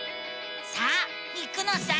さあ行くのさ！